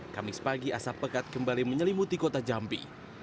kamis pagi asap pekat kembali menyelimuti kota jambi